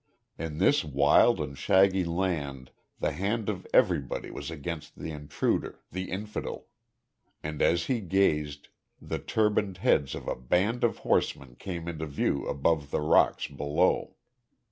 In this wild and shaggy land, the hand of everybody was against the intruder, the infidel. And as he gazed, the turbaned heads of a band of horsemen came into view above the rocks below.